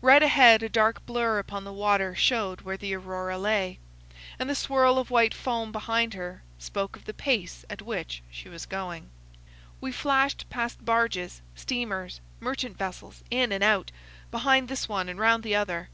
Right ahead a dark blur upon the water showed where the Aurora lay, and the swirl of white foam behind her spoke of the pace at which she was going. We flashed past barges, steamers, merchant vessels, in and out, behind this one and round the other.